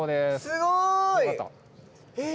すごい。え。